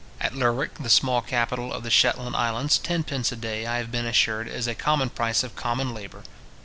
At Lerwick, the small capital of the Shetland islands, tenpence a day, I have been assured, is a common price of common labour.